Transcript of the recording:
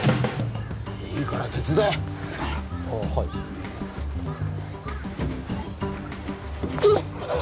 いいから手伝えああはいうっ